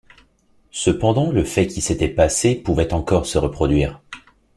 Cependant, le fait qui s’était passé pouvait encore se reproduire